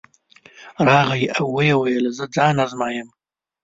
راغی او ویې ویل زه ځان ازمایم.